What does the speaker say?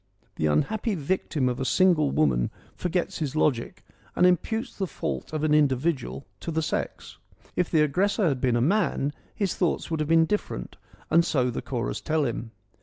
EURIPIDES 109 The unhappy victim of a single woman forgets his logic and imputes the fault of an individual to the sex. If the aggressor had been a man, his thoughts would have been different and so the chorus tell him.